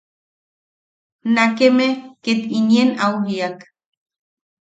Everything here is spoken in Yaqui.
Nakkeme ket inien au jiak: